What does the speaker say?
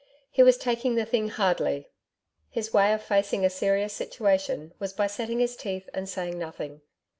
He was taking the thing hardly. His way of facing a serious situation was by setting his teeth and saying nothing.